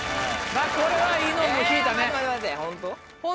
これはいいの引いたね。